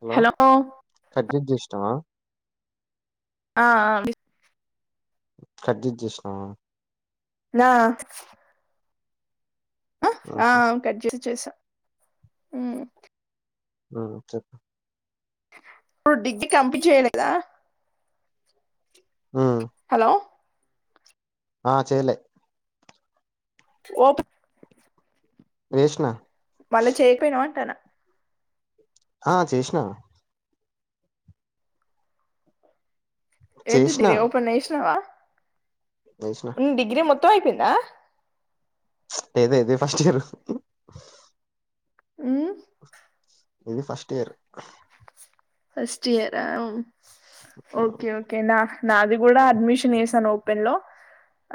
Hello cut జేసఇ జేసనావా ఆ ఆ కట్ చేసఇ చేసినావా రా ఆ చెప్ ఆ కట్ చే చేసా ఆ చెప్ప ఇప్పుడు డిగ్రీ కంప చేయలేదా ఉమ్, హలో ఆ చేయలే ఓప్ వేష్నా మళ్ళా చేకపోయినావా అంటన ఆ చేసినా ఎంటి చేసిన దిరి ఓపెన్ చేష్ణవా చేసిన ఉం డిగ్ర్రి మొత్తం అయిపోయిందా లేద ఇదే ఫస్ట్ ఇయరు ఉమ్ ఇది first year first year okay okay నా నాది కూడా అడ్మిషన్ వేసాను ఓపెన్ లో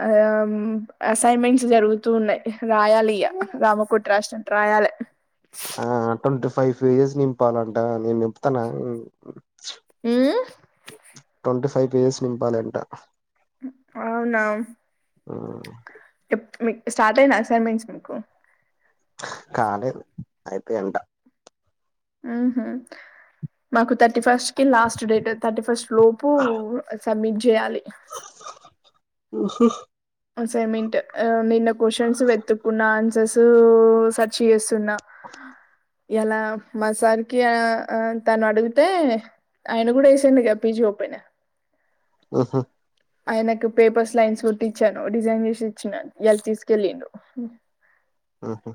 ఆ అసైన్మెంట్స్ జరుగుతూ ఉన్నాయి రాయాలి ఇగ రామకోటి రాసినట్టు రా రాయాలె ఆ ట్వంటీ ఫైవ్ పెజెస్ నింపాలంటా నేను నింపుతాను ఆగు ఉమ్ ట్వంటీ ఫైవ్ పేజెస్ నింపాలంట అవునా ఉమ్ మిక్ స్టార్ట్ అయిన అసైన్మెంట్స్ మీకు కాలెదు అయితయ అంట ఉహు మాకు తరి thirty first last date thirty first లోపు సబ్మిట్ జేయాలి. వసే [inaudible] అసెమెంట్ నిన్న క్వశ్చన్స్ వెతుక్కున్న ఆన్సర్స్ సెర్చ్ చేస్ న్నా ఇలా మా సార్ కి అ తను అడిగితే. ఆయన కూడా చేసిండుగా పీజీ ఓపెన్. ఉహు ఆయనకు పేపర్స్ లైన్స్ కుట్టి ఇచ్చాను డిజైన్ చేసి ఇచ్చినను ఇయలా తీసుకెళ్లిండు. ఊహు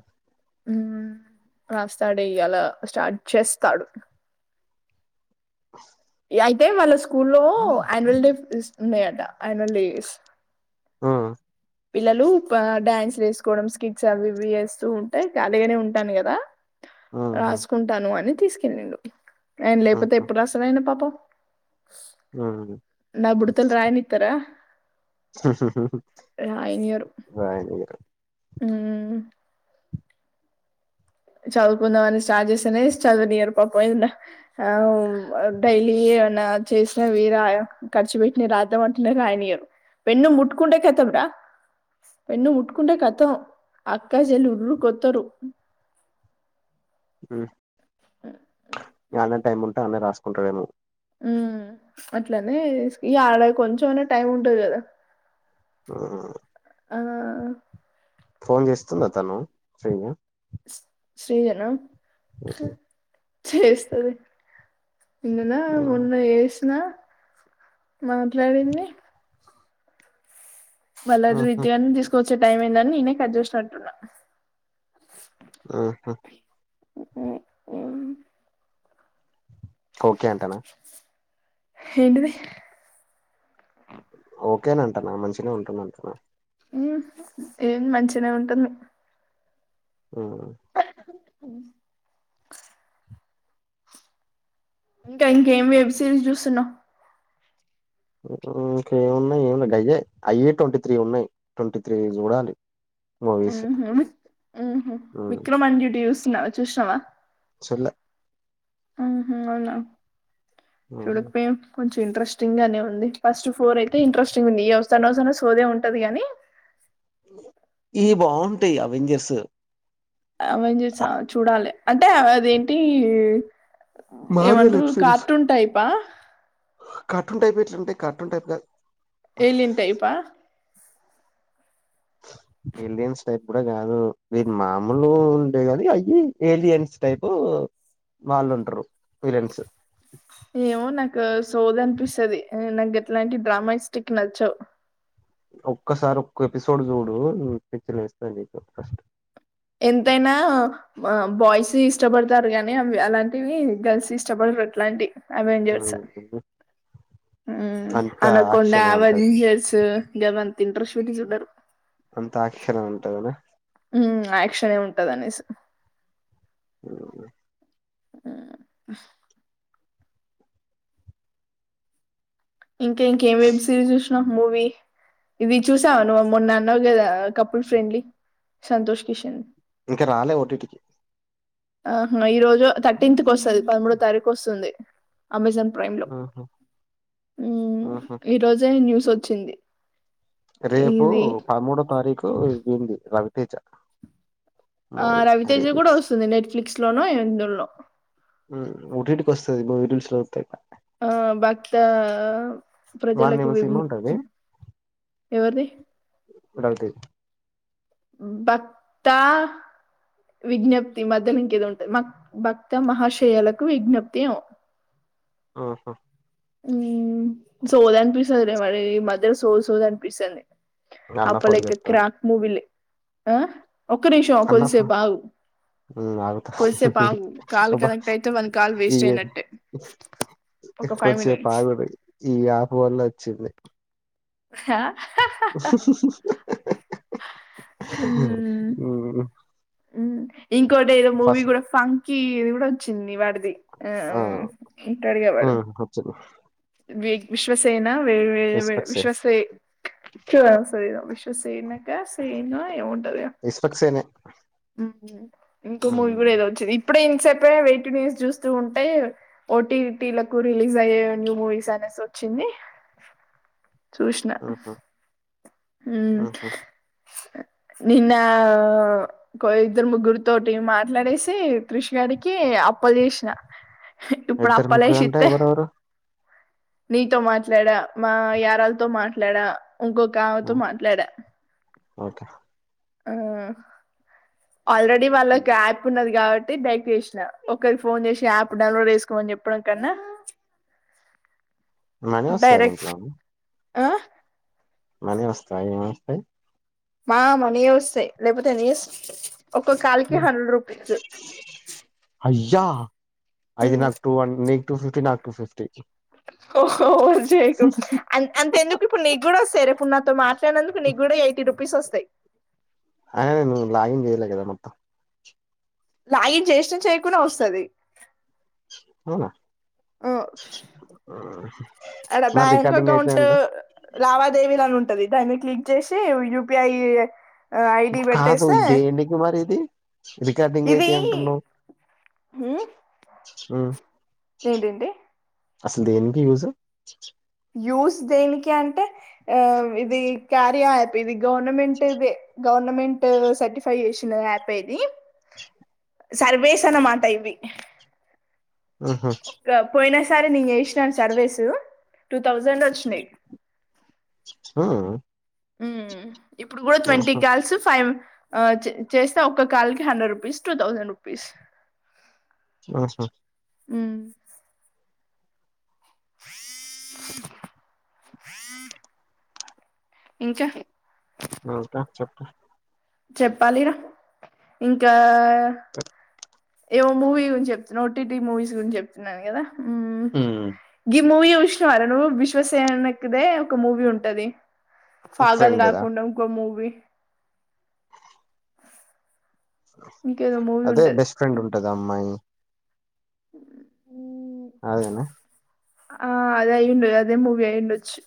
ఉ రాస్తాడు ఇయల స్టార్ట్ చేస్తాడు. అయితే వాళ్ళ స్కూల్లో ఆన్యువల్ డే ఉన్నాయట. ఆన్యువల్ డేస్ ఉ పిల్లలు డ్యాన్స్ లు వేసుకోవడం, స్కిట్స్ అవి ఇవి వేస్తూ ఉంటే ఖాలిగానే ఉంటాను కదా. రాసుకుంటాను అని తీసుకెళ్ళిండు. ఆయన లేకపోతే ఎప్పుడు రాసారు ఆయన పాప్ పొ నా బుడతల్ రాయని ఇతారా. ఉహ్ ఉహు రాయనీయరు. ఊమ్ చదువుకుందామని స్టార్ట్ చేస్తేనే చదువ నియ్యరు పాపం ఏదన్న ఆ డైలీ. ఏమనా చేసిన వీరా ఖర్చు పెట్టి రాద్దామంటున్నా రాయనీయరు. పెన్ను ముట్టుకుంటే కతం రా పెన్ను ముట్టుకుంటే కతం అక్క చెల్లు ఉర్రు కొత్తరు. ఉ అన్నె టైం ఉంటే అన్నె రాసుకుంటాడేమో. ఊమ్ అట్లనే ఇగ ఆడ కొంచంనా టైం ఉంటది కదా. ఊ ఆ ఫోన్ చేస్తుంద తను శ్రీజ. శ్రీజ న చేస్తది నిన్ననా హ్మ్ మొన్న చేసిన మాట్లాడింది. వాళ్ళ హుహు. రీతిగానే తీసుకొచ్చే టైం అయిందని నేనే కట్ చేసినట్టున్నా. ఉహ హ్మ్. హ్మ్. ఓకే అంటనా ఏంటిది ఓకేన అంటనా మంచిగ ఉంటుంది అంటనా ఉ ఏం మంచినే ఉంటుంది. ఆ [unintelligible] ఇంకా ఇంకేం వెబ్ సిరీస్ చూస్తున్నావ్ ఇంక ఏమున్నాయి ఏ గయ్యే అయే ట్వంటీ త్రీ ఉన్నాయి ట్వంటీ త్రీ చూడాలి. ఊ ఉ ఊహు హ్మ్. విక్రమండిడు చూస్తున్న చూసినావా. చూడలే ఆహా అవున హ్మ్. చుడుకుపోన్ కొంచెం ఇంట్రెస్టింగ్ గానే ఉంది. ఫస్ట్ ఫోర్ అయితే ఇంట్రెస్టింగ్ ఉంది. ఏవస్తన్నా వసా సోదే ఉంటది కాని ఈ బాగుంటాయి అవెంజర్స్ అవెంజర్స్ చూడాలి అంటే అదేంటి మార్వెల్ ఏమంటరు వెబ్ సిరీస్. కార్టూన్ టైపా కార్టూన్ టైప్ ఎట్లుంటే కార్టూన్ టైప్ కాదు ఏలియన్ టైప్ అ ఏలియన్స్ టైప్ కూడా కాదు వీరి మామూలు ఉండే కాది అయ్యి ఏలియన్స్ టైపు వాళ్ళు ఉంటారు విలిన్స్ ఏమో నాకు సోది అన్పిస్తది నాకు ఎట్లాంటి డ్రామాస్టిక్ నచ్చవు ఒక్కసారి ఒక్క ఎపిసోడ్ చూడు నీకు పిచ్చి లేస్తాది ఫస్ట్ ఎంతైనా మా బాయ్స్ ఇష్టపడతారు గాని అవ్వి అలాంటివి గర్ల్స్ ఇష్టపడరు అట్లాంటి అవెంజర్స్ హ్మ్. ఊ అంతా అనకొండ యాక్షనే ఉంటది. అవెంజర్స్ గవి అంత ఇంట్రెస్ట్ పెట్టి చూడరు అంతా యాక్షనే ఉంటాది అనా ఉమ్ యాక్షనే ఉంటాది అనేసి ఊ ఇంకే ఇంకేం వెబ్ సిరీస్ చూసినావ్ మూవీ ఇవి చూసావా నువ్వు మొన్న అన్నావ్ కదా కపుల్ ఫ్రెండ్లీ సంతోష్ కిషన్ ఇంకా రాలే ఓ టి టి కి ఆహ్మ ఈ రోజు థర్టీన్త్ కి వస్తది పదమూడో తారీఖు వస్తుంది అమెజాన్ ప్రైమ్ లో ఆహా ఉమ్, ఆహా ఈ రోజే న్యూస్ వచ్చింది రేపు ఇది పదమూడో తారీకు ఇది ఉంది రవితేజ ఆ మూవీ రవితేజ కూడా రిలీజ్ వస్తుంది నెట్ఫ్లిక్స్ లోనో ఎందులో ఓ టీ టీ కి వస్తాది మూవీరూల్స్ లో అయితే ఆ భక్త వాంది ప్రజలకు ఏమో విం సినిమా ఉంటది ఎవరిది రవితే భక్తా విజ్ఞప్తి మధ్యలో ఇంకేదో ఉంటది భక్త మహాశయాలకు విజ్ఞప్తి ఏమో ఆహా ఉమ్ సోది అన్పిస్తదే మరి మధ్యలో సోది సోది అన్పిస్తంది అన్న అప్ప ఫోన్ లైకే చేత్తాండు క్రాక్ మూవీలే ఆ ఒక్క నిమిషం అన్న ఫోన్ కొదిసేపు ఆగు ఉమ్ ఆగుతా కొదిసేపు ఆగు కాల్ అబ్బా కనెక్ట్ అయితే వన్ కాల్ ఈ వేస్ట్ అయినట్టే ఒక ఫై కొద్దిసేపు ఆగుర్రి ఈ యాప్ వల్ల వచ్చింది హా ఉమ్ ఊ ఉమ్ ఇంకోటి ఏదో మూవీ కూడా ఫంకీ ఇది కూడా వచ్చింది వాడి ది ఆ ఆమ్ ‌ఇంటాడుగా వాడు ఉమ్ వచ్చింది వి విశ్వసేనా వే వే వే ఇస్పెక్సేన్ విశ్వసే [unintelligible] టు సేనకా సనా ఏముంటది ఇస్పెక్సేనే ఊ ఇంకో ఉమ్ మూవీ కూడా ఏదో వచ్చిది ప్పుడే ఇంత సేపే వే టూ న్యూస్ చూస్తూ ఉంటే ఓ టీ టీ లకు రిలీజ్ అయే న్యూ మూవీస్ అనే సొచ్చింది చూషినా ఉహు ఉమ్ ఉహు నిన్న వ్ కో ఇద్దరు ముగ్గురితోటి మాట్లాడేసి క్రిష్ గాడికి అప్పలు చేషినా ఇప్పుడు ఇద్దరు ముగ్గురు అంటే అప్పాలేషిత్తే ఎవరెవరు నీతో మాట్లాడా మా యారాలతో మాట్లాడా ఆ! ఇంకొకామెతో మాట్లాడా [unintelligible] ఆ ఆల్రెడీ హ్మ్. వాళ్ళక్ యాప్ ఉన్నది. కాబట్టి [unintelligible] చేసిన ఒకరి ఫోన్ చేసి యాప్ డౌన్లోడ్ చేసుకోమని చెప్పడం కన్నా [inaudible] మనీ వస్తాయా దీంట్లో ఆహ్ మనీ వస్తాయి ఎం వస్తాయి. మా మనీ ఏ వస్తాయి లేకపోతే ఎందుకు చేస్ ఒక్క కాలకి హ్మ్. హండ్రెడ్ రూపీస్ యా ఐతె నాకు టూ హా నీకు టూ ఫిఫ్టీ నాకు టూ ఫిఫ్టీ [inaudible] ఓవర్ జేయాకు అంత ఎందుకు ఇప్పుడు నీకు కూడా వస్తాయి. ఇప్పుడు నాతో మాట్లాడినందుకు నీకు కూడా ఎయిటి రూ రూపిస్ వస్తాయి అయినా నేను లాగిన్ చేయలే కదా మొత్తం. లాగిన్ చేసిన చేయకున్న వస్తది. అవునా ఆ హ్మ్. ఆడా మరి బ్యాంక్ రికార్డింగ్ అయితే అకౌంట్ అంట లావాదేవీ లను ఉం టది దాన్ని క్లిక్ చేసి యూపిఐ ఆ ఐడి కాదు పెట్టేస్తే దేనికి మరి ఇది రికార్డింగ్ అయితాయి అంటున్నవ్. హ్మ్ ఎంటెంటి అసలు దేనికి యూస్ యూస్ దేనికి అంటే ఆ ఇది కార్య అప్ ఇది గవర్నమెంట్ దే గవర్మెంట్ సర్టిఫై చేసి యాపేది సర్వేస్ అన్నమాట ఇవి ఉమ్ హ్మ్ ఒకసారి నేను చేస్నాన్ సర్వేస్ టూ థౌజండ్ వచ్చినాయి. హా ఉమ్ ఇప్పుడు కూడా ట్వంటీ కాల్స్ ఫైవ్ ఆ చే చేస్తే ఒక్క కాల్ కి hundred rupees two thousand rupees ఆహా ఉమ్ [inaudible] ఇంకా ఆ ఇంకా చెప్ చెప్పాలి రా ఇంకా ఏవో మూవీ గురించి చెప్తున్నావు ఓటీటి మూవీస్ గురించి చెప్తున్నా కదా ఉం గీ మూవీ చూశినావా రా నువ్వు విశ్వక్ సేన కదే ఒక మూవీ ఉంటది. ఫగల్ ఫ్రెండ్దా కాకుండా ఇంకో మూవి ఇంకేదో మూవీ అదే ఉంటది బెస్ట్ ఫ్రెండ్ ఉంటది ఆ అమ్మాయి ఉ అదేనా ఆ అదయి ఉండ అదే మూవి అయిండోచ్చు.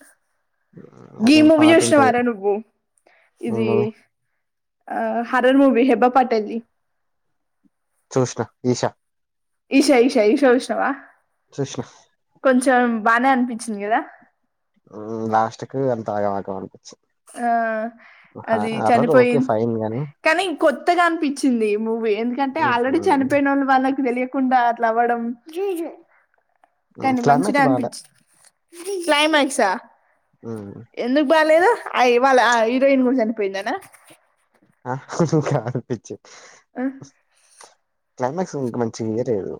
గీ అదే మూవీ పాట చోషినావా ఉంటది రా నువ్వు ఇది నేను అ హరర్ మూవీ హెబ్బా పటేల్ ది చూషణ ఈశా ఈషా ఈష ఈషా ఉష్ణవా చూసిన కొంచం బానే అనిపించింది కదా ఉమ్ లాస్ట్క్ అంతా ఆగమాగం అని ఆ అది హర్రర్ ఓకే చనిపోయిం ఫైన్ గాని కానీ కొత్తగా అనిపించింది ఈ మూవీ ఎందుకంటే ఆల్రెడీ చనిపోయిన వాళ్ళు వాళ్ళకి తెలియ కుండా అట్లా అవడం కానీ మంచిగా క్లైమాక్స్ బాలే అనిపించి క్లైమాక్సా ఉమ్, ఎందుకు బాలేదు అ ఇవాళ హిరోయిన్ కూడా చనిపోయిందనా ఆకా అనిపించి ఆ క్లైమాక్స్ ఇంకా మంచిగియలేదు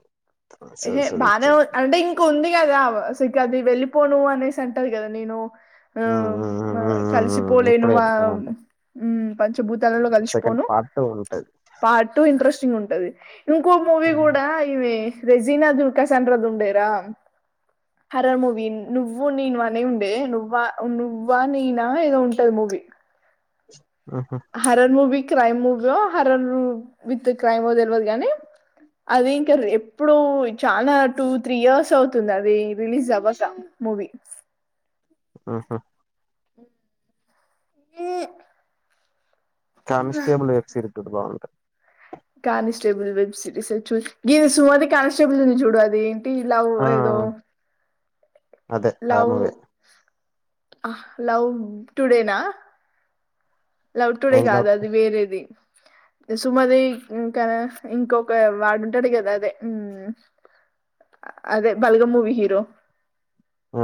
ఏహ బానే అంటే ఇంక ఉంది కదా సిఖది వెళ్ళిపోను అనేసి అంటది కదా నేను ఆ కలిసిపోలేను ఇప్పుడే ఆ చెప్పుకొని ఉంటాయి పంచభూతాలలో కలిసిపోను ఆఫ్ టూల్ పార్ట్ టూ ఇంట్రెస్టింగ్ ఉంటది ఇంకో మూవీ కూడా ఈమె రెజీనా దుర్కా సంటద ఉండేరా హరర్ మూవీ నువ్వు నీను అనే ఉండే నువ్వా నువ్వా నేనా ఏదో ఉంటది మూవీ వి ఆహా క్రైమ్ మూవీ ఓ హారర్ ము విత్ క్రైమ్ తెల్వదు కానీ అది ఇంకా ఎప్పుడ చాలా టూ త్రీ ఇయర్స్ అవుతుంది అది రిలీజ్ అవ్వక మూవీ ఆహా ఏ కమిస్టబిల్ ఎక్స్ రిపిడు బాగుంటది కానిస్టేబుల్ వెబ్ సిరీస్ చూ గిది సోది కానిస్టేబుల్ని చూడు అది టు లవ్ ఆ ఏదో అదే అ లవ్ మూవే లవ్ టుడేనా లవ్ టుడే ఏంట్లో కాదు ఒకటి అది వేరేది కుసుమది ఇంకా ఇంకొక వాడుంటాడు కదా అదే మ్ అదే బలగం మూవి హీరో ఆ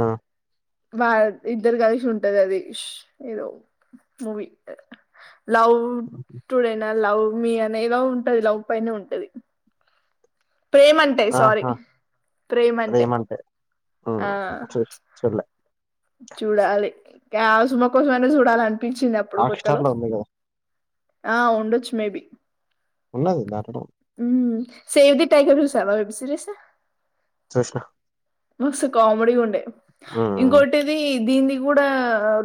వా ఇద్దరు కలిసి ఉంటది అది ష్ ఏదో మూవీ లవ్ టుడే నా లవ్ మీ అనేద ఉంటది లవ్ పైనే ఉంటది ప్రేమ అంటే సారీ ఆహా ప్రేమ అంటే ఆ చల్లే చుల్లా చూడాలి కావసుమ కోసమనా చూడాలంటే పించింది అప్పుడు హాట్ కొత్తలో స్టార్ లో ఉంది కదా ఆ ఉండొచ్చు మేబి ఉన్నాది నటుడవ్ మ్ సేవ్ దీ టైగర్ చూసావా వెబ్ సిరీస్ చూసిన మస్తు కామెడీగుండె ఇంకోటిది దీనిది కూడా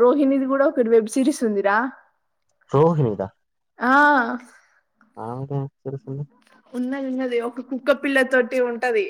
రోహిణది కూడా ఒక వెబ్ సిరీస్ ఉందిరా రోహినిదా ఆ అకా సర సల్ ది ఉన్నది ఉన్నది ఒక కుక్క పిల్ల తోటి ఉంటది